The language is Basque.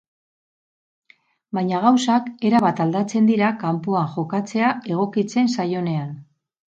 Baina gauzak erabat aldatzen dira kanpoan jokatzea egokitzen zaionean.